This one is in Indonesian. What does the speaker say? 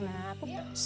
nah aku mau